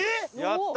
やった！